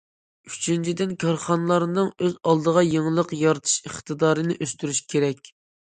ئۈچىنچىدىن، كارخانىلارنىڭ ئۆز ئالدىغا يېڭىلىق يارىتىش ئىقتىدارىنى ئۆستۈرۈش كېرەك.